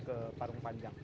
ke parung panjang